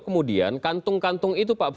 kemudian kantung kantung itu pak